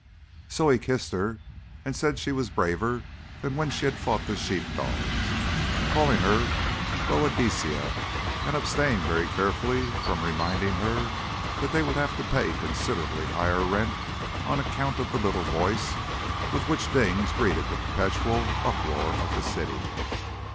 So he kissed her, said she was braver than when she fought the sheep dogs, called her Boadicea, and abstained very carefully from reminding her that they would have to pay a considerably higher rent on account of the little voice with which Dings greeted the perpetual uproar of the city.